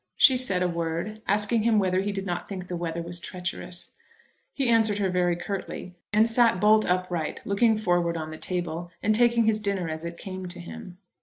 She said a word, asking him whether he did not think the weather was treacherous. He answered her very curtly, and sat bolt upright, looking forward on the table, and taking his dinner as it came to him.